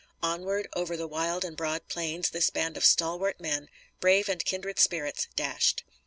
Onward, over the wild and broad plains, this band of stalwart men, brave and kindred spirits, dashed.